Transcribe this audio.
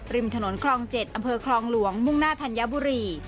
ริมถนนคลอง๗อำเภอคลองหลวงมุ่งหน้าธัญบุรี